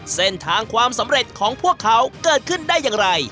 เส้นทางความสำเร็จของพวกเขาเกิดขึ้นได้อย่างไร